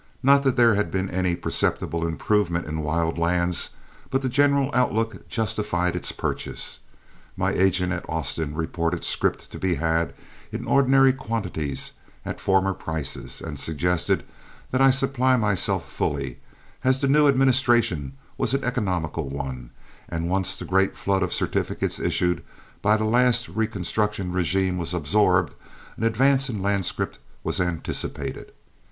Not that there had been any perceptible improvement in wild lands, but the general outlook justified its purchase. My agent at Austin reported scrip to be had in ordinary quantities at former prices, and suggested that I supply myself fully, as the new administration was an economical one, and once the great flood of certificates issued by the last Reconstruction régime were absorbed, an advance in land scrip was anticipated.